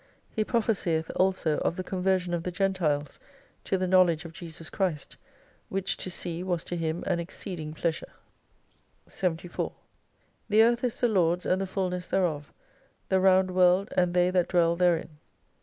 He prophcsieth also of the conversion of the Gentiles to the knowledge of Jesus Christ, which to see was to him an exceeding pleasure. 74 The Earth is the Lord's and the fulness thereof, the rounp world and they that dwell therein.